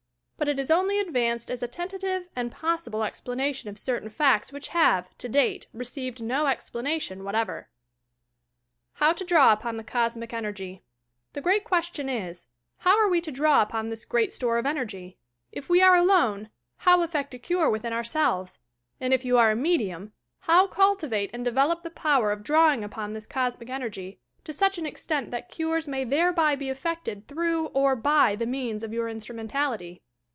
But it is only advanced as a tentative and possible explanation of certain facts which have, to date, received no explanation whatever. HOW TO DBAW UPON THE COSMIC EMQtGT The great qnestion is: How are we to draw upon this great store of enei^ I If we are alone, how effect a cure within ourselves T And if you are a medium, how cultivate and develop the power of drawing upon this Cosmic Energy, to such an extent that cures may thereby be effected through or by the means of your in strumentality